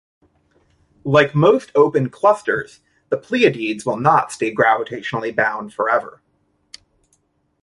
Like most open clusters, the Pleiades will not stay gravitationally bound forever.